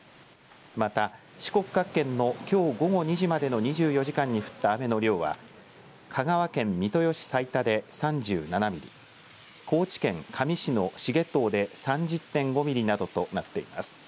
また四国各県のきょう午後２時までの２４時間に降った雨の量は香川県三豊市財田で３７ミリ、高知県香美市の繁藤で３０．５ミリなどとなっています。